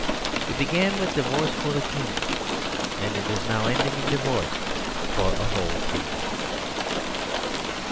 It began with divorce for a king; and it is now ending in divorces for a whole kingdom.